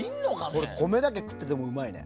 これ、米だけ食っててもうまいね。